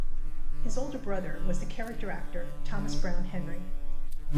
His older brother was the character actor Thomas Browne Henry.